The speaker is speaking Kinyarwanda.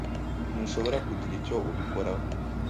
Ntushobora kugira icyo ubikoraho?